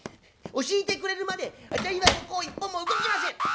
教えてくれるまであたいはここを一歩も動きません！」。